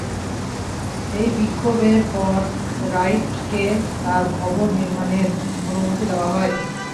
এই বিক্ষোভের পর রাইটকে তার ভবন নির্মাণের অনুমতি দেওয়া হয়।